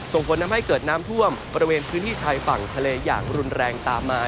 ส่งผลทำให้เกิดน้ำท่วมบริเวณพื้นที่ชายฝั่งทะเลอย่างรุนแรงตามมา